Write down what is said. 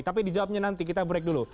tapi dijawabnya nanti kita break dulu